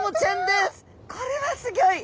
これはすギョい！